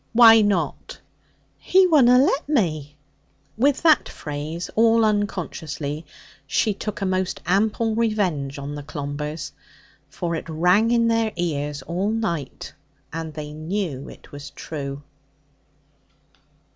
'Why not?' 'He wunna let me.' With that phrase, all unconsciously, she took a most ample revenge on the Clombers; for it rang in their ears all night, and they knew it was true.